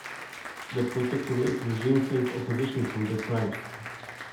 The protectorate regime faced opposition from the tribes.